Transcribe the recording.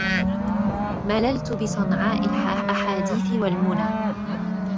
مللت بصنعاء الأحاديث والمنى